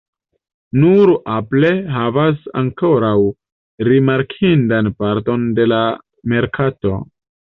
Nur Apple havas ankoraŭ rimarkindan parton de la merkato.